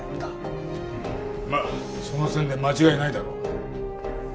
まあその線で間違いないだろう。